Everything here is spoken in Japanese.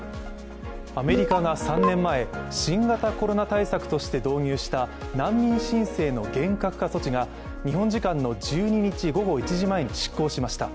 アメリカが３年前、新型コロナ対策として導入した難民申請の厳格化措置が日本時間の１２日午後１時前に失効しました。